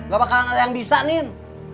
ga bakalan ada yang bisa nin